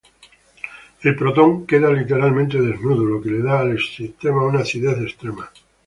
El protón queda literalmente "desnudo", lo que le da al sistema una acidez extrema.